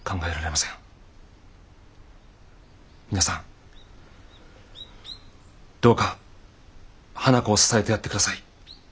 皆さんどうか花子を支えてやって下さい。